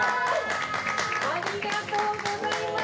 ありがとうございます。